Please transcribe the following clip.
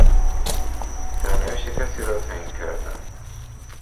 سرنوشت کسی را تعیین کردن